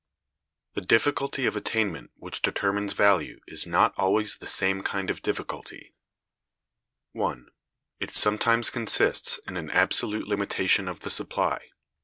The difficulty of attainment which determines value is not always the same kind of difficulty: (1.) It sometimes consists in an absolute limitation of the supply.